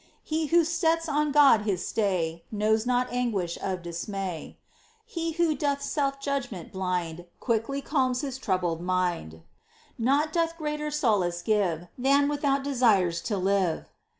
He who sets on God his stay Knows not anguish of dismay. He who doth self judgment blind Quickly calms his troubled mind. Naught doth greater solace give Than without desires to live.